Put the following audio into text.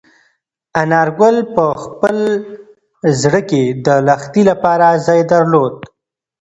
انارګل په خپل زړه کې د لښتې لپاره ځای درلود.